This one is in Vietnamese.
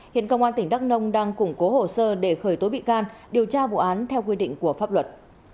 hiện công an tỉnh đắk nông đang củng cố hồ sơ để khởi tố bị can điều tra vụ án theo quy định của pháp luật